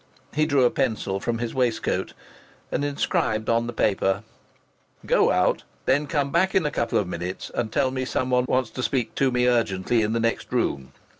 He drew a pencil from his waistcoat and inscribed on the paper: "Go out, and then come back in a couple of minutes and tell me someone wants to speak to me urgently in the next room."